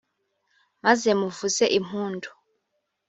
maze muvuze impundu.